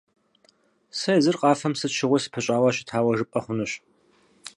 Сэ езыр къафэм сыт щыгъуи сыпыщӀауэ щытауэ жыпӀэ хъунущ.